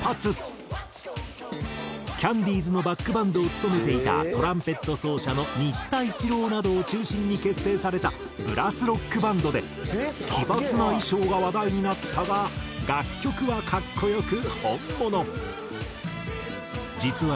キャンディーズのバックバンドを務めていたトランペット奏者の新田一郎などを中心に結成されたブラス・ロックバンドで奇抜な衣装が話題になったが楽曲は格好良く本物。